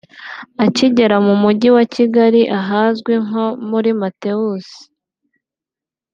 akigera mu mujyi wa Kigali ahazwi nko muri Mateus